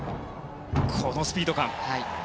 このスピード感。